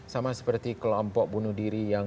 sama seperti kelompok bunuh diri yang